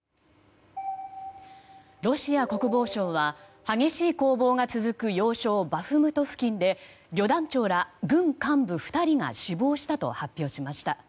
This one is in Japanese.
ロシア国防省は激しい攻防が続く要衝バフムト付近で旅団長ら軍幹部２人が死亡したと発表しました。